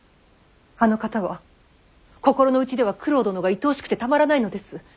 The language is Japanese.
あの方は心の内では九郎殿がいとおしくてたまらないのです。